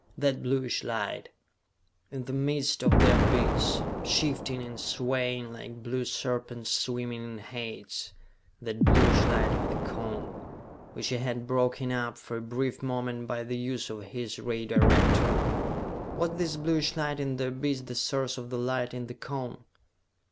That bluish light, in the midst of the abyss, shifting and swaying like blue serpents swimming in Hades ... that bluish light of the Cone, which he had broken up for a brief moment by the use of his ray director. Was this bluish light in the abyss the source of the light in the Cone?